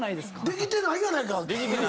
できてないやないか。